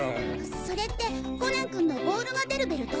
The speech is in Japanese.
それってコナン君のボールが出るベルト？